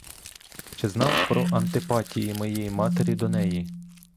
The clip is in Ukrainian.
Чи знав про антипатії моєї матері до неї?